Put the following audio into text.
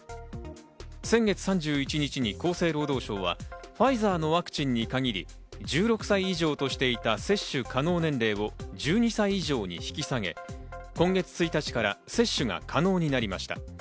先月３１日に厚生労働省はファイザーのワクチンに限り、１６歳以上としていた接種可能年齢を１２歳以上に引き下げ、今月１日から接種が可能になりました。